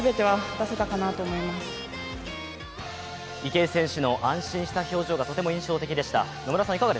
池江選手の安心した表情がとても印象的でした。